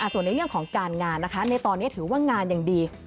ส่วนในเรื่องของการงานนะคะในตอนนี้ถือว่างานยังดี